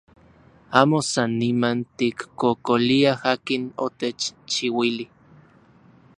Amo san niman tikkokoliaj akin otechchiuili.